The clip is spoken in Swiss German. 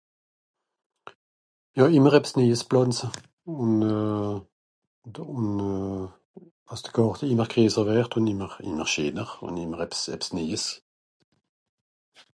jà ìmmer ebs neijs plàntze un euhh un euhh às de Gàrte ìmmer gresser wert un ìmmer ìmmer scheener un ìmmer ebs neijes